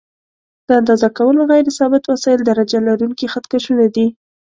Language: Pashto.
د اندازه کولو غیر ثابت وسایل درجه لرونکي خط کشونه دي.